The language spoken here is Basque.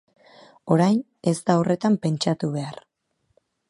Orain, ez da horretan pentsatu behar.